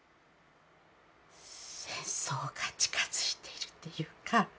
戦争が近づいているっていうか。